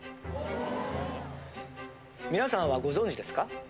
皆さんはご存じですか？